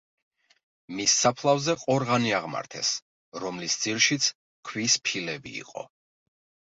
მის საფლავზე ყორღანი აღმართეს, რომლის ძირშიც ქვის ფილები იყო.